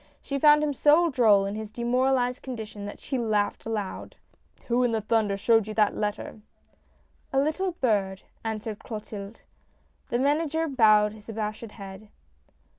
She found him so droll in his demoralized condition, that she laughed aloud. " Who in thunder showed you that letter ?"" A little bird," answered Clotilde. The Manager bowed his abashed head.